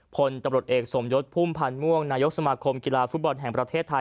พลตำรวจเอกสมยศพุ่มพันธ์ม่วงนายกสมาคมกีฬาฟุตบอลแห่งประเทศไทย